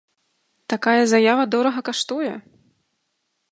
Такая заява дорага каштуе!